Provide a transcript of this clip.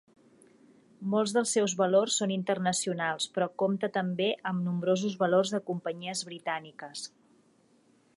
Molts dels seus valors són internacionals però compte també amb nombrosos valors de companyies britàniques.